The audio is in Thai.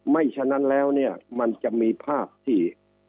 ฉะนั้นแล้วเนี่ยมันจะมีภาพที่